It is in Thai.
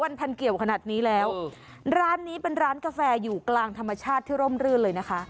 พันเกี่ยวขนาดนี้แล้วร้านนี้เป็นร้านกาแฟอยู่กลางธรรมชาติที่ร่มรื่นเลยนะคะ